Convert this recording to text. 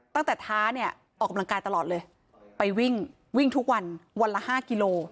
ท้าเนี่ยออกกำลังกายตลอดเลยไปวิ่งวิ่งทุกวันวันละ๕กิโล